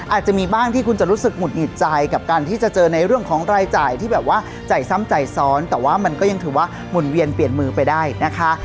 อาจจะมีบ้างที่คุณจะรู้สึกหุดหงิดใจกับการที่จะเจอในเรื่องของรายจ่ายที่แบบว่าใจซ้ำใจซ้อนแต่ว่ามันก็ยังถือว่าหมุนเวียนเปลี่ยนมือไปได้นะคะ